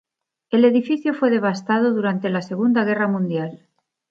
El edificio fue devastado durante la Segunda Guerra Mundial.